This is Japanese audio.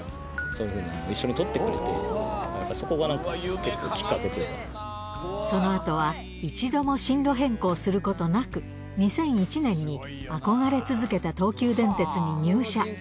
そういうふうに一緒に撮ってくれて、そこがなんか結構きっかけとそのあとは、１度も進路変更することなく、２００１年に憧れ続けた東急電鉄に入社。